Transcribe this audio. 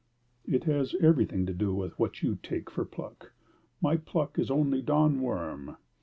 "It has everything to do with what you take for pluck. My pluck is only Don Worm."